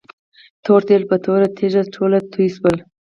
تور تیل په توره تيږه ټول توي شول.